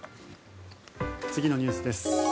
次のニュースです。